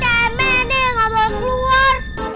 sini dong keluar kalau berani